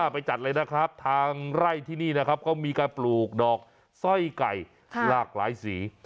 ไปจัดเลยนะครับทางไร่ที่นี่นะครับเขามีการปลูกดอกสร้อยไก่หลากหลายสี